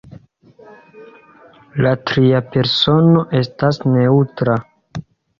La tria persono estas neŭtra.